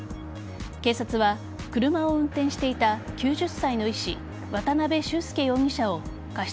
警察は車を運転していた９０歳の医師渡辺脩助容疑者を過失